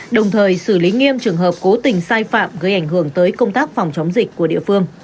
đồng thời xử lý nghiêm trường hợp cố tình sai phạm gây ảnh hưởng tới công tác phòng chống dịch của địa phương